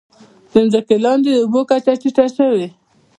د ځمکې لاندې اوبو کچه ټیټه شوې؟